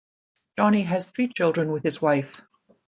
Johnie has three children with his wife.